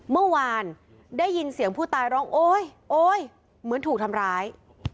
เมื่อวานได้ยินเสียงผู้ตายร้องโอ๊ยโอ๊ยเหมือนถูกทำร้าย